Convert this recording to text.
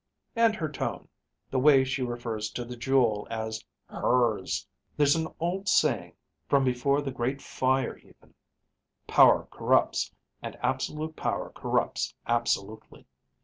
And her tone, the way she refers to the jewel as hers. There's an old saying, from before the Great Fire even: Power corrupts, and absolute power corrupts absolutely.